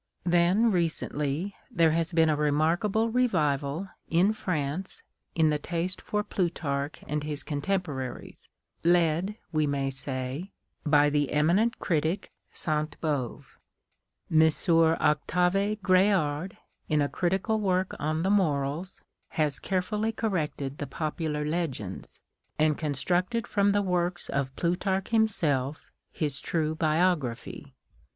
Then, recently, there has been a remarkable revival, in France, in the taste for Plutarch and his contemporaries, led, we may say, by the eminent critic Saint Beuve. M. Octave Greard, in a critical work on the " Morals," has carefully corrected the popular INTRODUCTION. χί legends, and constructed from the works of Plutarch himself his true biography.